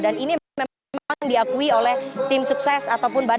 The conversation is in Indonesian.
dan ini memang diakui oleh tim sukses ataupun badan